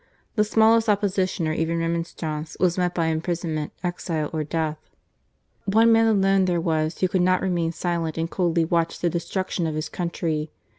The smallest opposition or even remonstrance was met by im prisonment, exile or death— one man alone there was who could not remain silent and coldly watch the destruction of his country.